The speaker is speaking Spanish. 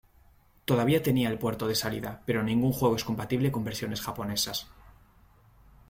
Todavía tenía el puerto de salida, pero ningún juego es compatible con versiones japonesas.